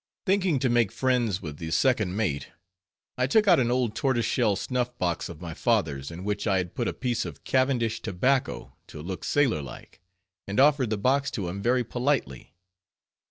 Thinking to make friends with the second mate, I took out an old tortoise shell snuff box of my father's, in which I had put a piece of Cavendish tobacco, to look sailor like, and offered the box to him very politely.